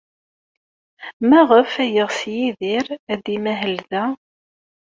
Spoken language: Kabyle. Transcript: Maɣef ay yeɣs Yidir ad imahel da?